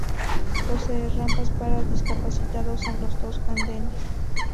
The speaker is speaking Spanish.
Posee rampas para discapacitados en los dos andenes.